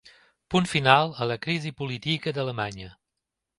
Punt final a la crisi política d’Alemanya.